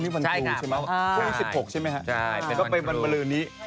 เมื่อเขาเลื่อนออกไปวันที่๑๗นะ